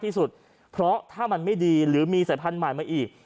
ที่สุดเพราะถ้ามันไม่ดีหรือมีสายพันธุ์ใหม่มาอีก